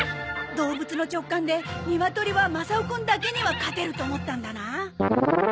動物の直感でニワトリはマサオくんだけには勝てると思ったんだな。